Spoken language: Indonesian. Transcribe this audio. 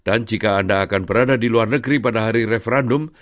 dan jika anda akan berada di luar negeri pada hari referendum